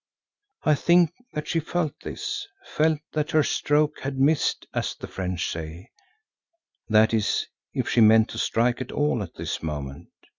I think that she felt this, felt that her stroke had missed, as the French say, that is if she meant to strike at all at this moment.